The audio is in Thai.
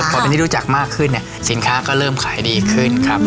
พอเป็นที่รู้จักมากขึ้นเนี่ยสินค้าก็เริ่มขายดีขึ้นครับ